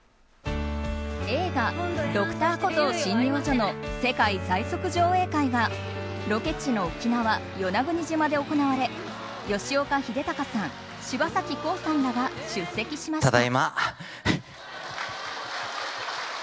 映画「Ｄｒ．コトー診療所」の世界最速上映会がロケ地の沖縄・与那国島で行われ吉岡秀隆さん、柴咲コウさんらが出席しました。